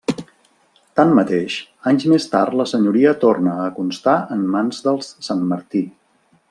Tanmateix, anys més tard la senyoria torna a constar en mans dels Santmartí.